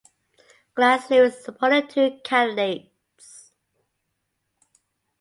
Glass Lewis supported two candidates.